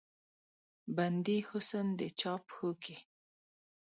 بندي حسن د چا پښو کې